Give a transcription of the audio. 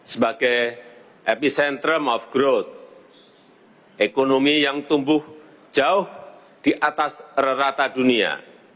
sebagai epicentrum of growth ekonomi yang tumbuh jauh di atas rata dunia